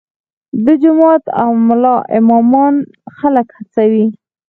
د جومات ملا امامان خلک هڅوي؟